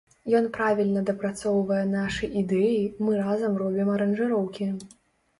Ён правільна дапрацоўвае нашы ідэі, мы разам робім аранжыроўкі.